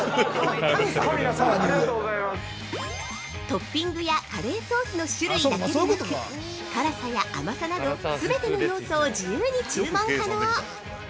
◆トッピングやカレーソースの種類だけでなく辛さや甘さなど全ての要素を自由に注文可能！